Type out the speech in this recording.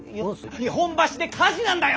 日本橋で火事なんだよ！」。